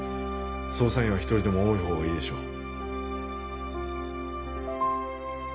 捜査員は一人でも多いほうがいいでしょう